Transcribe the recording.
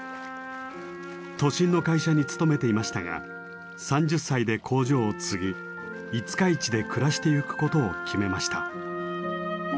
都心の会社に勤めていましたが３０歳で工場を継ぎ五日市で暮らしてゆくことを決めました。